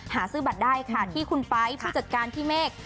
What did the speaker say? หาซื้อบัตรได้ค่ะที่คุณไป๊ผู้จัดการพี่เมฆ